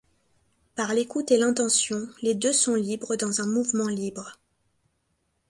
Par l'écoute et l'intention, les deux sont libres dans un mouvement libre.